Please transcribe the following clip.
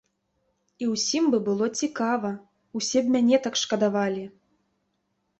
І ўсім бы было цікава, усе б мяне так шкадавалі!